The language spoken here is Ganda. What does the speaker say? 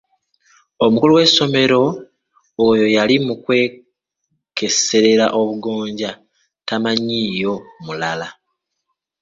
Omukulu w'essomero oyo yali mu kwekeserera obugonja tamanyiiyo mulala.